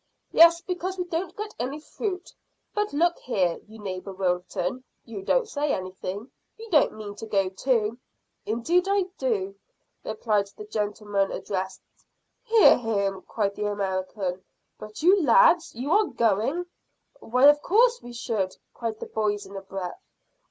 "Yes, because we don't get any fruit. But look here, you neighbour Wilton, you don't say anything: you don't mean to go too?" "Indeed, but I do," replied the gentleman addressed. "Hear him!" cried the American. "But you lads you are going?" "Why, of course we should," cried the boys, in a breath.